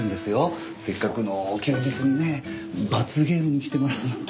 せっかくの休日にね罰ゲームに来てもらうなんて。